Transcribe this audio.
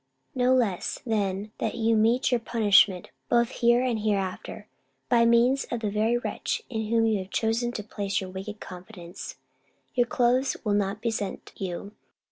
No less, than 'that you may meet your punishment both here and hereafter, by means of the very wretch in whom you have chosen to place your wicked confidence.' Your clothes will not be sent you.